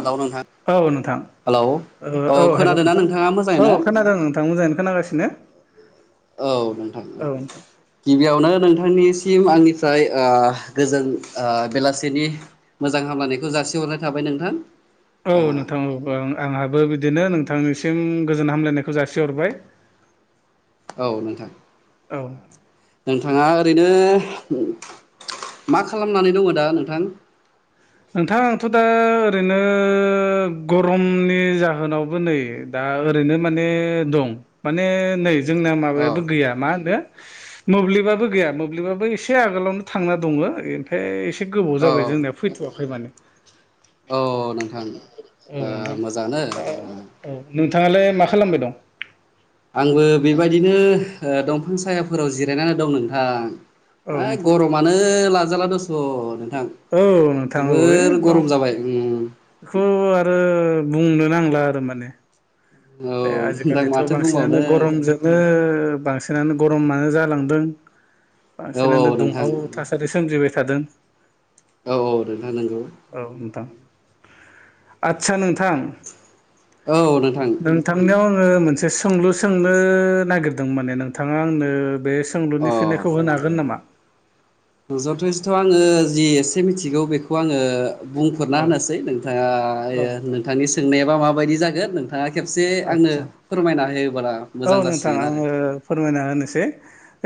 Hello नोंथां औ नोंथां हेलौ औ हेल' खोनादोंना नोंथां नोंथाङा मोजाङै औ ना खोनादों नोंथां मोजाङै खोनागासिनो औ नोंथां ओ औ नोंथां गिबियावनो नोंथां निसिम आंनिफ्राय ओ गोजोन ओ बेलासेनि मोजां हामलायनायखौ जासिहरनाय थाबाय नोंथां औ ओ नोंथां आंहाबो बिदिनो नोंथांनिसिम गोजोन हामलायनायखौ जासिहरबाय। औ नोंथां औ नोंथाङा ओरैनो मा खालामनानै दङ दा नोंथां नोंथां आंथ' दा ओरैनो गरमनि जाहोनावबो नै दा ओरैनो माने दं माने नै जोंनाया अ माबायाबो गैया मा होनो मोब्लिबाबो गैया मोब्लिबाबो एसे आगोलावनो थांना दङ ओमफ्राय एसे एसे गोबाव औ जाबाय जोंनिया फैथ'वाखै माने औ नोंथां औ ओ मोजाङानो औ नों - थाङालाय मा खालामबाय दं? आंबो बेबायदिनो दंफां ओ सायाफोराव जिरायनानै दं नोंथां। औ इ नोंथां गरमानो लाजाला दस' न औ नोंथां औ एकदम जाबाय उम बेखौ आरो। बुंनो नांला आरो माने औ बे नोंथां आजिखालिथ' माथो बांसिनानो बुंबावनो गरमजोंनो बांसिनानो गरम जालांदों औ औ बांसिनानो नोंथां दुंहाव थासारि सोमजिबाय थादों। औ औ नोंथां नंगौ। आदचा नोंथां औ नों नोंथांनियाव आङो मोनसे सोंलु सोंनो नागिरदों माने नोंथाङा आंनो। बे अ सोंलुनि फिननायखौ होनो हागोन नामा? जथेस्थ' आङो जि एसे मिथिगौ बेखौ आङो। औ बुंफोरना होनोसै नोंथाङा औ ओ नोंथां नोंथांनि सोंनायाबा माबायदि जागोन नों। थांआ खेबसे आंनो आदसा फोरमायना होयोबोला। औ मोजां नोंथां जासिगोन आरो आङो फोरमायना होनोसै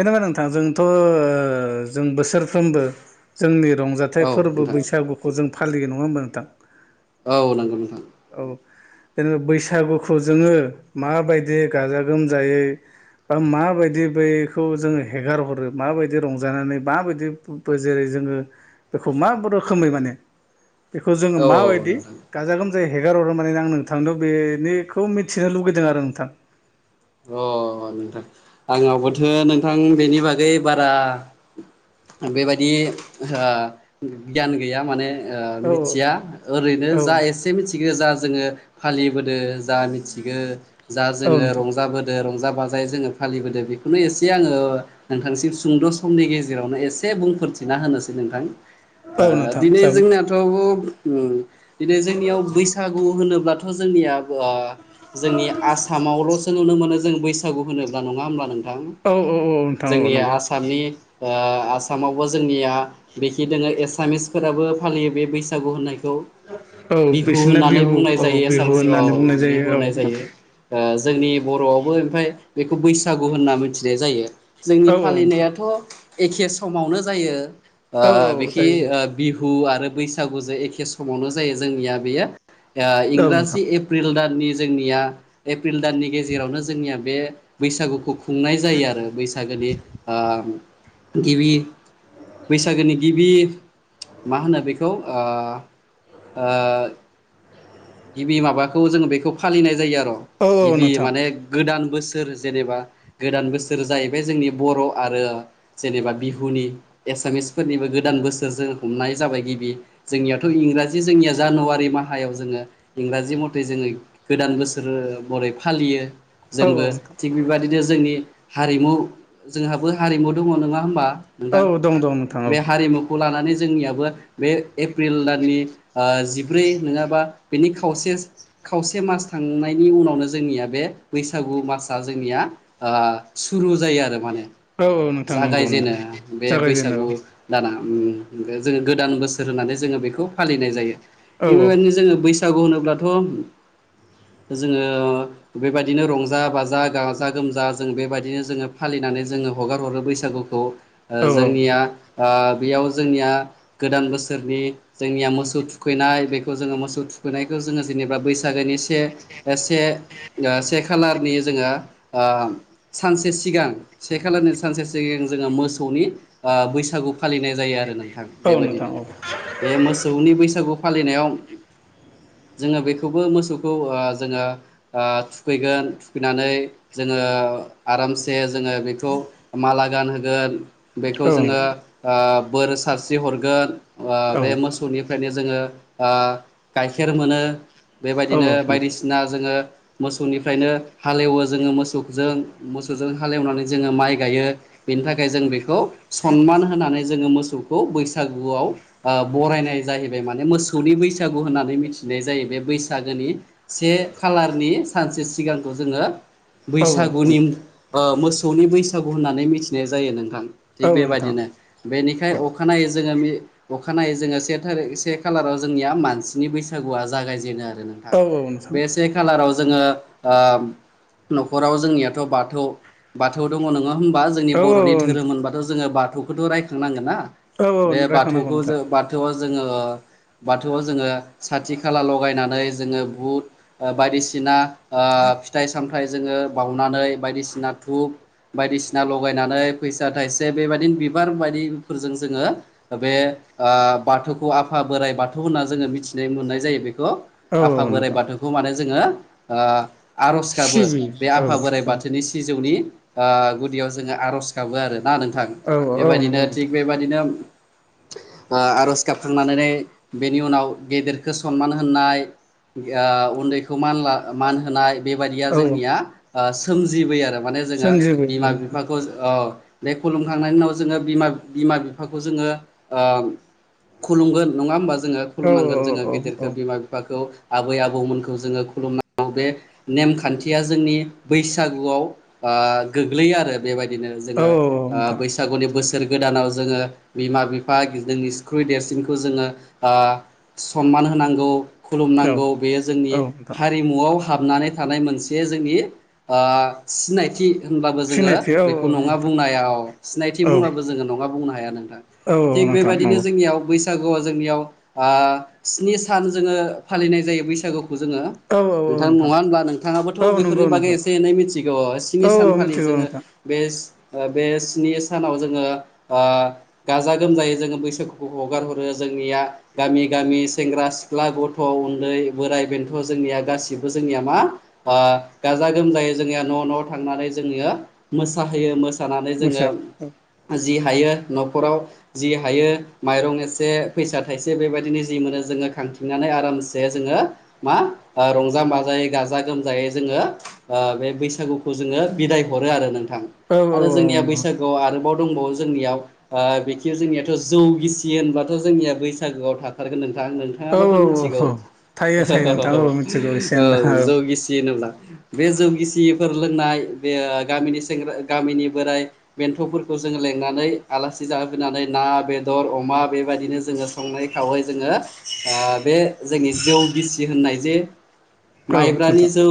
जेनेबा नोंथां जोंथ' ओ जों बोसोरफ्रोमबो जोंनि औ रंजाथाइ फोरबो नोंथां बैसागुखौ जों फालि नङा होमबा नोंथां। औ नंगौ नोंथां। औ जेनेबा बैसागुखौ जोङो माबायदि गाजा गोमजायै। बा माबायदि बखौ जोङो हेगार हरो माबायदि रंजानानै माबायदि जेरै जोङो बेखौ मा रोखोमै माने बेखौ जोङो औ मा औ बायदि नोंथां गाजा गोमजा यै हेगार हरो माने आं नोंथांनाव बेनिखौ मिथिनो लुगैदों आरो नोंथां अ नोंथां आंनावबोथो नोंथां बेनि बागै बारा बेबायदि ओ गियान गैया माने। ओ औ मिथिया ओरैनो औ जा एसे मिथिगो जा जोङो फालियोबो दो जा मिथिगो जा औ जोङो नोंथां रंजाबोदो। रंजा बाजायै जोङो फालिबोदो बेखौनो एसे आङो नोंथांसिम सुंद' समनि गेजेराव। जेरावनो एसे बुंफोरथिना होनोसै नोंथां औ नोंथां दिनै जागोन जोंनाथ' उम बिदिनो जोंनियाव बैसागु होनोब्ला। थ जोंनिया आ जोंनि आसामावल'सो नुनो मोनो जों बैसागु होनोब्ला नङा होमब्ला नों थां औ औ औ नोंथां औ जोंनि नंगौ आसामनि ओ आसामावबो जोंनिया बेखि दङ एसामिसफोराबो फालियो बे बैसागु होननायख खौ औ बिहु बिसोरना होननानै बिहु बुंनाय औ जायो बिहु एसामिस औ होननानै बुंनाय बिहु औ होननाय जायो ओ। जोंनि बर'आवबो ओमफ्राय बेखौ बैसागु होनना मिथिनाय जायो। जोंनि औ फालिनायाथ' एखे समावनो जायो। ओ औ औ बिखि जायो ओ जायो बिहु आरो बैसागुजों एखे समावनो जायो जोंनिया बेयो ओ औ नोंथां इंराजि एप्रिल दान। जोंनिया एप्रिल दाननि गेजेरावनो जोंनिया बे बैसागुखौ खुंनाय जायो आरो बैसागोनि ओ गिबि बैसागोनि गिबि मा होनो बेखौ ओ ओ गिबि माबाखौ जोङो बेखौ फालिनाय जायो आरो' औ औ गिबि नोंथां माने गोदान। बोसोर जेनेबा गोदान बोसोर जाहैबाय जोंनि बर' आरो जेनेबा बिहुनि। एसामिसफोरनिबो गोदान बोसोर जों हमनाय जाबाय गिबि जोंनियावथ' इंराजि जोंनिया जानुवारि। माहायाव जोङो इंराजि मथै जोङो गोदान बोसोर महरै फालियो औ औ जोंबो नोंथां थिग बेबादिनो जोंनि हारिमु जोंहाबो हारिमु दङ नङा होमबा। नोंथां औ दं दं नोंथां औ बे हारिमुखौ लानानै। जोंनियाबो बे एप्रिल दाननि जिब्रै नङाबा। बेनि खावसे खावसे मास थांनायनि उनावनो जोंनिया बे बैसागु मासआ जोंनिया। ओ सुरु जायो आरो माने औ औ ओ नोंथां नंगौ जागाय नंगौ जेनो बे जागायजेनो बैसागु दाना उम जो गोदान बोसोर होनानै जोङो बेखौ फालिनाय जायो औ थिग बेबायदिनो जोङो बै सागु होनोब्लाथ' जोङो बेबायदिनो रंजा बाजा गाजा गोमजा जों बेबायदिनो जोङो फालि नानै जोङो हगार हरो बैसागुखौ औ जोंनिया ओ बेयाव जोंनिया गोदान बोसोरनि जोंनिया मोसौ थुखैनाय बेखौ जोङो मोसौ थु फुनायखौ जोङो जेनेबा बैसागोनि से से से खालारनि जोङो ओ सानसे सिगां से खालारनि सानसे सिगां जोङो मोसौनि बैसागु फालिनाय जायो आरो नोंथां औ नोंथां बेबायदिनो औ बे मोसौनि बैसागु फालिनायाव जोङो बेखौबो मोसौखौ जोङो ओ थुखैगोन थुखैनानै जोङो ओ आरामसे ओ जोङो बेखौ माला गानहोगोन बेखौ नोंथां औ नोंथां औ नोंथां औ जोङो ओ बोर सारस्रि हरगोन ओ बे मोसौनिफ्रायनो जोङो गाय गाइखेर मोनो बेबायदिनो बायदिसिना जोङो मोसौनिफ्रायनो हालेवो जोङो मोसौजों मोसौजों हालेवनानै जोङो माइ गायो बेनि थाखाय जों बेखौ सनमान होनानै जोङो मोसौ बैसागुआव ओ बरायनाय जाहैबाय माने मोसौनि बैसागु होननानै मिथिनाय जायो बे बैसागोनि से खालारनि सानसे सिगांखौ जोङो बैसागुनि ओ मोसौनि बैसागु होननानै मिथिनाय जायो नोंथां थिग बेबायदिनो बेनिखाय अखानायै जोङो अखानायै जोङो से थारि से खालाराव जोंनिया मानसिनि बैसागुआ जागायजेनो आरो नोंथां बे से खालाराव जोङो ओ नखराव जोंनियाथ बाथौ बाथौ दङ नोङा होनबा बा जोंनि बरनि औ धोरोम नोंथां होनबाथ जोङ बाथौखौथ रायखांनांगोन ना औ औ बे रायखांनांगौ बाथौखौ नोंथां जो बाथौआव जोङो बाथौआव जोङो साथि खाला लगायनानै जोङो बुट बायदिसिना ओ फिथाइ सामथाइ जोङो बावनानै बायदिसिना धुप बायदिसिना लगायनानै फैसा थाइसे बेबायदिनो बिबार बायदिफोरजों जोङो बे ओ बाथौखौ आफा बोराइ बाथौ होनना जोङो मिथि दिनै मोननाय जायो बेखौ औ आफा औ बोराइ नोंथां बाथौखौ माने जोङो आरज गाबो सिबियो बे औ आफा बोराइ औ बाथौनि सिजौनि ओ गुदियाव जोङो आरज गाबो आरो ना नोंथां औ औ बेबायदिनो नंगौ थिग नोंथां बेबायदिनो आरज गाबखांनानै बेनि उनाव गेदेरखौ सनमान होनाय आं उन्दैखौन मान होनाय बेबायदिया औ औ जोंनिया सोमजिबो आरो माने जोङो सोमजिबो बिमा बिफाखौ बे खुलुमखांनायनि उनाव जोङो बिमा बिफाखौ जोङो खुलुमगोन नङा होमबा जोङो औ खुलुमनांगोन जोङो औ औ गिदिरखौ बिमा बिफाखौ आबै आबौमोनखौ जोङो खुलुमनानै बे नेमखानथिया जोंनि बासागुआव ओ गोग्लैयो आरो बेबाय नो औ जोङो औ आ नोंथां बैसागुनि बोसोर सोर गोदानाव जोङो बिमा बिफा जोंनिख्रुइ देरसिनखौ जोङो सनमान होनांगौ औ खुलुमनांगौ बेयो औ जोंनि नोंथां हारिमुआव हाबनानै थानाय मोनसे जोंनि सिनायथि होनबाबो जोङो सिनायथि औ बेखौ नङा नोंथां बुंनो हाया सिनायथि औ बुंब्लाबो जोङो नङा बुंनो हाया नों औ औ थिग नोंथां बेबायदिनो नंगौ जोंनियाव बैसागु जोंनियाव आ स्नि सान जोङो फालिनाय जायो बैसागुखौ जोङो औ औ नोंथां नङा होनब्ला नोंथाङाबोथ औ नंगौ बेफोरनि बागै नंगौ एसे एनै मिथिगौ स्नि औ औ सानखालि मिथिगौ जोङो नोंथां बे बे स्नि सानाव जोङो ओ गाजा गोमजायै जोङो बैसागुखौ हगार हरो जोंनिया गामि गामि सेंग्रा सिख्ला गथ उन्दै बोराइ बेन्थ जोंनिया गासिबो जोंनिया मा ओ गाजा गोमजायै जोंनिया न न थांनानै जोंनिया मोसाहोयो। मोसानानै जोङो मिथिबाय जि हायो न खराव जि हायो माइरं एसे फैसा थाइसे बेबायदिनो जि मोनो जोङो खांथिंनानै आरामसे जोङो मा आ रंजा बाजायै गाजा जायै जोङो बे बैसागुखौ जोङो बिदाय हरो आरो नों थां औ आरो जोंनिया नंगौ बैसागोआव आरोबाव दंबावो जोंनियाव बेखिनि जोंनियाथ' जौ गिसियो होनबाथ' जोंनिया बैसागोआव थाखारगोन नों थां औ नोंथाङाबाथ' औ मिथिगौ थायो थायो नोंथां औ मिथिगौ एसे औ एनला जौ गिसि होनोब्ला बे जौ गिसिफोर लोंनाय बे गामिनि सेंग्रा गामिनि बोराइ बेन्थ'फोरखौ जों लों नानै आलासि जाहो फैनानै ना बेदर अमा बे बादिनो जोङो संनाय खावहाय जोङो बे जोंनि जौ गिसि होननाय जे औ माइब्रानि नोंथां जौ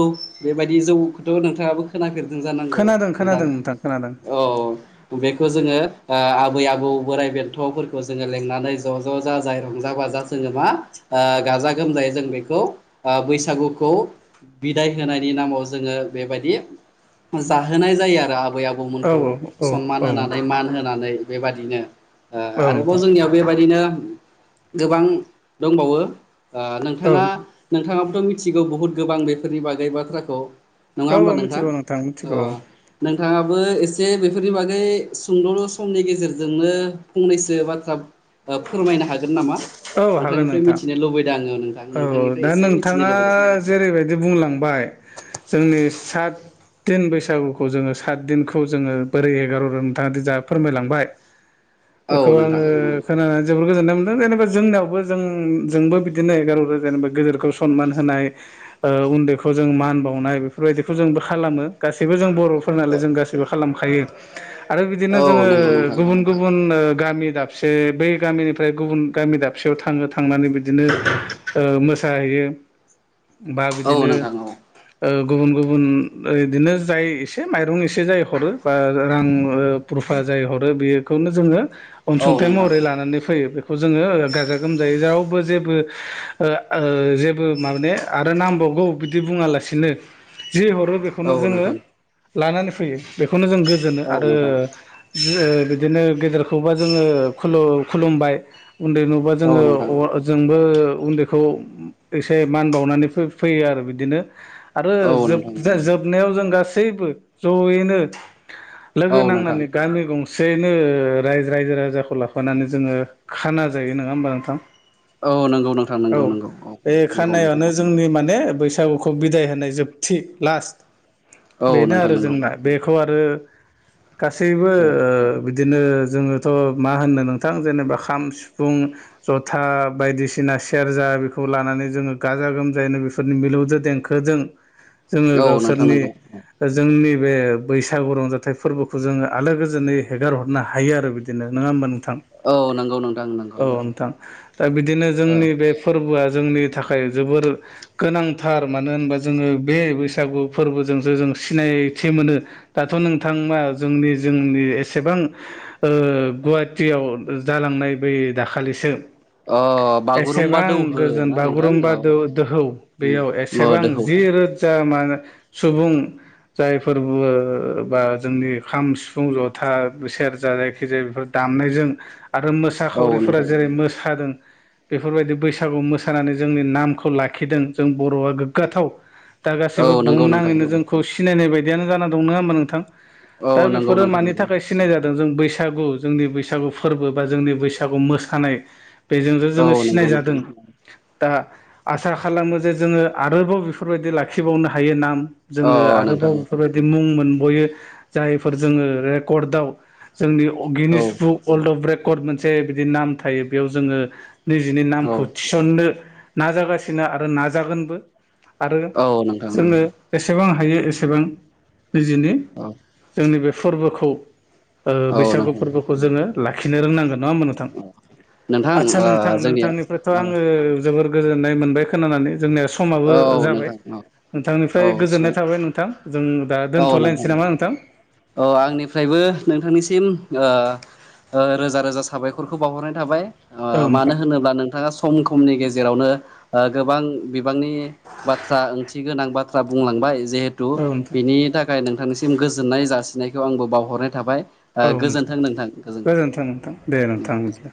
बेबायदि जौखौथ' नोंथाङाबो खोनाफेर दों जानांगौ खोनादों नोंथां खोनादों खोनादों आ बे खौ जोङो आबै आबौ बोराइ बेन्थ'फोरखौ लोंनानै ज' ज' जाजाय रंजा बाजा जोङो मा गाजा गोमजायै जों बेखौ बैसागुखौ बिदाय होनायनि नामाव जोङो बेबायदि जाहोनाय जायो आरो। आबै औ आबौमोनखौ औ सनमान औ होनानै मान होनानै बेबादिनो आरोबाव नोंथां जोंनियाव बेबायदिनो गोबां दंबावो। औ नोंथाङा नोंथाङाबोथ' मिथिगौ बुहुद गोबां बेफोरनि बागै बाथ्राखौ नङा औ होमब्ला औ नोंथां मिथिगौ मिथिगौ नों थाङाबो एसे बेफोरनि बागै सुंद' समनि गेजेरजोंनो फंनैसो बाथ्रा फोरमायनो हागोन नामा औ हागोन नोंथांनिफ्राय नोंथां मिथिनो लुबैदों आङो। नोंथां औ नोंथांनिफ्राय दा एसे मिथिनो नोंथाङा लुबैदों जेरैबायदि बुंलांबाय जोंनि सात दिन बैसागुखौ जोङो सात दिनखौ जोङो बोरै एगार' र नोंथाङ दि जा फोरमायलांबाय। औ बेखौ नोंथां आङो औ खोनानानै जोबोर गोजोननाय मोनदों जेनेबा जोंनियावबो जों जोंबो बिदिनो जेनेबा गेदेरखौ सनमान होनाय उन्दैखौ जों मान बावनाय बेफोरबायदिखौ जों खाला मो गासैबो जों बर' फोरनालाय जों गासिबो खालामखायो आरो बिदिनो औ जोङो नंगौ नोंथां गुबुन गुबुन गामि दाबसे बै गामिनिफ्राय गुबुन गामि दाबसेयाव थाङो थांनानै बिदिनो ओ मोसाहैयो बा औ बिदिनो नोंथां औ गुबुन गु बुन बिदिनो जाय एसे माइरं एसे जाय हरो बा रां फाजाय हरो बेखौनो जोङो औ अनसुंथाइ नोंथां महरै लानानै फैयो बे खौ जोङो गाजा गोमजायै रावबो जेबो जेबो माबे आरो नांबावगौ बिदि बुङालासिनो जि हरो औ बेखौनो जोङो नोंथां लानानै फैयो बेखौनो जों गोजोनो औ आरो नोंथां बिदिनो गेदेरखौबा जोङो खुलु खुलुमबाय उन्दै नुबा औ जोङो नोंथां जोंबो उन्दै खौ एसे मान बावनानै फैयो आरो बिदिनो आरो औ नोंथां जोब जोबनायाव जों गासैबो जयैनो लोगो औ नोंथां नांनानै गामि गं सेनो रायजो राजाखौ लाफानानै जोङो खाना जायो नङा होमबा नोंथां? औ नंगौ नों औ बे खानायानो जोंनि माने बैसागुखौ बिदाय होनाय जोबथि लास्ट औ बेनो नोंथां आरो नंगौ जोंना बेखौ आरो गासैबो औ बिदिनो जोङोथ' मा होनो नोंथां जेनेबा खाम सिफुं जथा बायदिसिना सेरजा बेखौ लानानै जोङो गाजा गोमजायैनो बेफोरनि मिलौजों देंखोजों जोङो औ नोंथां गावसोरनि नंगौ जोंनि बे बैसागु रंजाथाइ फोरबोखौ जोङो आलो गोजोनै हेगार हरनो हायो आरो बिदिनो नङा होमबा नों थां औ नंगौ नोंथां नंगौ औ नोंथां दा बिदिनो ओ जोंनि बे फोरबोआ जोंनि थाखाय जोबोर गोनांथार मानो होनोबा जोङो बे बैसागु फोरबो जोंसो जों सिनायथि मोनो दाथ' नोंथां जोंनि जोंनि एसेबां गुवाहाटियाव जालांनाय बै दाखालिसो अ बागुरुम्बा एसेबां दौहो गोजोन ना नोंथां बागुरुम्बा औ दोहौ उम बेयाव अ एसेबां दोहौ जि रोजा मान सुबुं जायफोरबो बा जोंनि खाम सिफुं जथा सेरजा जायखिजाया बेफोर दामनायजों आरो औ मोसाखावरिफोरा नोंथां जेरै मोसादों बेफोरबायदि बैसागु मोसानानै जोंनि नामखौ लाखिदों जों बर'आ गोग्गाथाव दा औ गासैबो बुहुम नंगौ नोंथां नाङैनो जोंखौ सिनायनाय बायदियानो जाना दंङ नङा होमबा नोंथां औ दा नंगौ बेफोरो नोंथां मानि नंगौ थाखाय सिनाय जादों जों बैसागु जोंनि बैसागु फोरबो बा जोंनि बैसागु मोसानाय बेजों जों औ नंगौ सिनाय नोंथां जादों दा आसा खालामो जे जोङो आरोबाव बेफोरबायदि लाखिबावनो हायो नामा औ जोङो आरोबाव नोंथां बेफोरबायदि मुं मोनबयो जायफोर जोङो रेकर्डआव जोंनि गिनिस औ बुक अर्ल्ड अफ रेकर्ड मोनसे बिदि नाम थायो बेयाव जोङो निजिनि औ नामखौ थिसननो नाजागासिनो आरो नाजागोनबो आरो औ नोंथां जोङो जेसेबां हायो एसेबां निजिनि औ जोंनि बे फोरबोखौ औ बैसागु नोंथां फोरबोखौ जोङो लाखिनो रोंनांगोन नङा हा नोंथां नोंथां आदसा ओ नोंथां जोंनिया नोंथांनिफ्रायथ' औ आङो जोबोर गोजोन नाय मोनबाय खोनानानै जोंनिया समाबो औ जाबाय नोंथां नोंथांनिफ्राय औ गोजोननाय औ थाबाय नोंथां जों दा दोन्थ'लायनोसै नामा नोंथां अ आंनिफ्रायबो नोंथांनिसिम रोजा रोजा साबायखरखौ बावहरनाय थाबाय ओ औ मानो नोंथां होनोब्ला नोंथाङा सम खमनि गेजेरावनो गोबां बिबांनि बाथ्रा ओंथि गोनां बाथ्रा बुंलांबाय जिहेथु औ नोंथां बिनि थाखाय नोंथांनि सिम गोजोननाय जासिनायखौ आंबो बावहरनाय थाबाय गोजोन्थों नोंथां गोजोनथों गोजोन्थों नोंथां दे औ नोंथां बिदिब्ला गौजोनथों